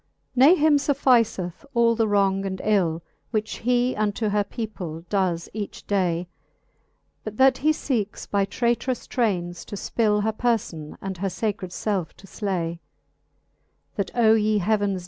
XIX. Ne him fufficeth all the wrons; and ill, Whiche he unto her people does each day, But that he feekes by traytrous traines to ipill Her perlbn, and her facred felfe to flay : That O ye heavens